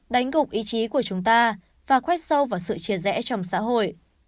đánh gục ý chí của chúng ta và khoét sâu vào sự chia rẽ trong xã hội